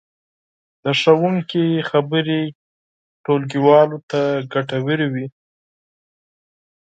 د ښوونکي خبرې ټولګیوالو ته ګټورې وې.